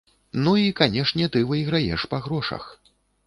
Ну, і, канешне, ты выйграеш па грошах.